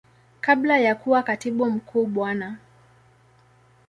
Kabla ya kuwa Katibu Mkuu Bwana.